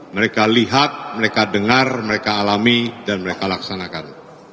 mereka lihat mereka dengar mereka alami dan mereka laksanakan